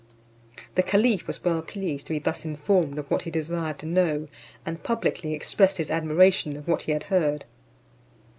The caliph was well pleased to be thus informed of what he desired to know; and publicly expressed his admiration of what he had heard.